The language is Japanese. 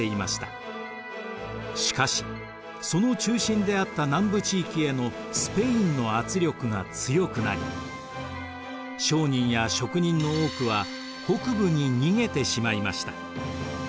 しかしその中心であった南部地域へのスペインの圧力が強くなり商人や職人の多くは北部に逃げてしまいました。